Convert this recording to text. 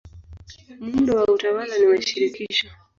Muundo wa utawala ni wa shirikisho.